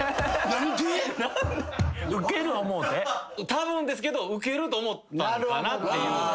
たぶんですけどウケると思ったんかなっていう。